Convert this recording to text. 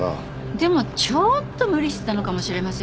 でもちょっと無理してたのかもしれませんね。